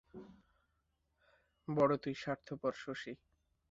বড় তুই স্বার্থপর শশী।